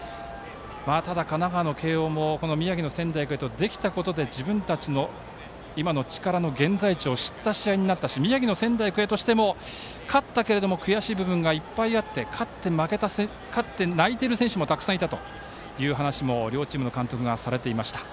ただ、神奈川の慶応も宮城の仙台育英とできたことで自分たちの今の力の現在地を知った試合になったし宮城の仙台育英にとっても勝ったけれども悔しい部分がいっぱいあって勝って、泣いてる選手もたくさんいたという話も両チームの監督がされていました。